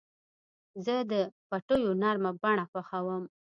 زه د پټیو نرمه بڼه خوښوم.